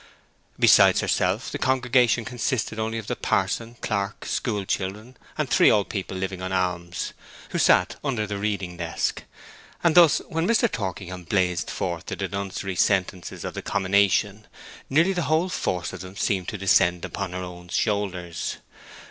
Besides herself the congregation consisted only of the parson, clerk, school children, and three old people living on alms, who sat under the reading desk; and thus, when Mr. Torkingham blazed forth the denunciatory sentences of the Commination, nearly the whole force of them seemed to descend upon her own shoulders.